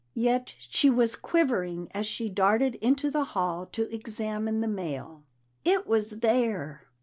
Yet she was quivering as she darted into the hall to examine the mail. It was there!